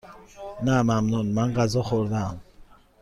نه ممنون، من غذا خوردهام.